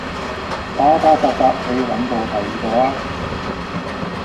打打殺殺你搵過第二個啦